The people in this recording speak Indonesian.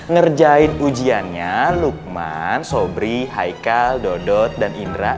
ngerjain ujiannya lukman sobri haikal dodot dan indra